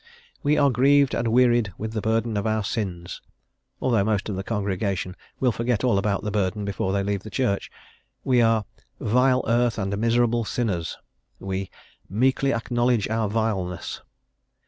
"We are grieved and wearied with the burden of our sins," although most of the congregation will forget all about the burden before they leave the church: we are "vile earth and miserable sinners;" we "meekly acknowledge our vileness."